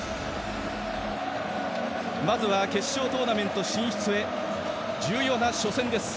まずは決勝トーナメント進出へ重要な初戦です。